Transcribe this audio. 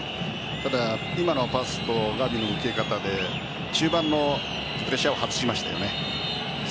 ただ今のパスとガヴィの受け方で中盤のプレッシャーを外しましたね。